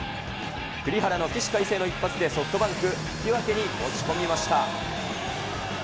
栗原の起死回生の一発でソフトバンク、引き分けに持ち込みました。